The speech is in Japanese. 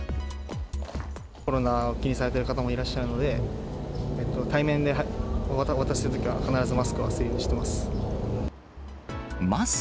コロナを気にされてる方もいらっしゃるので、対面でお渡しするときは必ずマスクはするようにしてます。